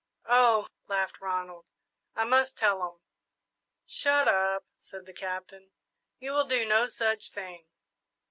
"Oh!" laughed Ronald, "I must tell 'em!" "Shut up," said the Captain; "you will do no such thing!"